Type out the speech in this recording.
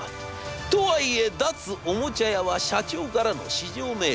とはいえ脱・おもちゃ屋は社長からの至上命令。